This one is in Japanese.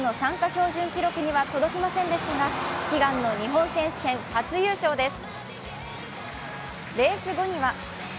標準記録には届きませんでしたが悲願の日本選手権初優勝です。